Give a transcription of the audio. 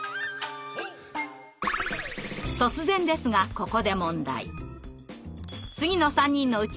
突然ですがここで問題。